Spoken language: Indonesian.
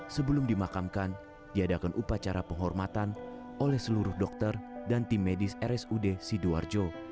sebelum dimakamkan diadakan upacara penghormatan oleh seluruh dokter dan tim medis rsud sidoarjo